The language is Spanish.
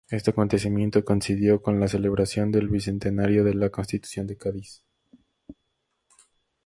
Este acontecimiento coincidió con la celebración del Bicentenario de la Constitución de Cádiz.